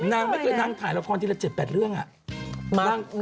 นางไม่เคยนั่งถ่ายละครทีละ๗๘เรื่องอะ